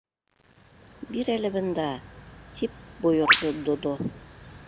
—Бир әле бында! —тип бойорҙо Додо.